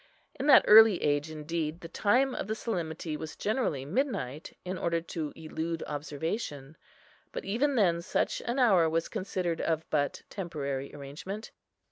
In that early age, indeed, the time of the solemnity was generally midnight, in order to elude observation; but even then such an hour was considered of but temporary arrangement.